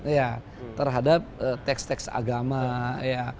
ya terhadap teks teks agama ya